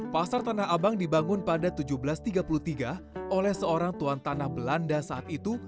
pasar tanah abang dibangun pada seribu tujuh ratus tiga puluh tiga oleh seorang tuan tanah belanda saat itu